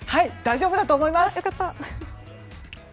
大丈夫だと思います。